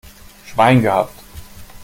Schwein gehabt!